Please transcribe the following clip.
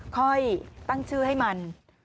ค่อยตั้งชื่อให้มัน